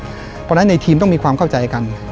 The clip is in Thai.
เพราะฉะนั้นในทีมต้องมีความเข้าใจกัน